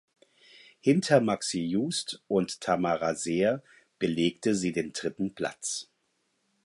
Hinter Maxi Just und Tamara Seer belegte sie den dritten Platz.